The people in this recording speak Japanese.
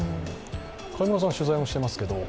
上村さん、取材もしていますけど。